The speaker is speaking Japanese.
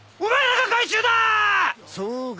そうか。